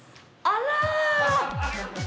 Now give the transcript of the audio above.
あら！